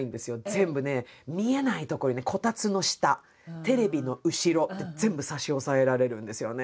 全部ね見えない所にねこたつの下テレビの後ろって全部差し押さえられるんですよね。